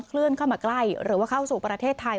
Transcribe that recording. เคลื่อนเข้ามาใกล้หรือว่าเข้าสู่ประเทศไทย